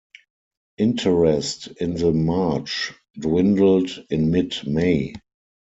Interest in the march dwindled in mid May.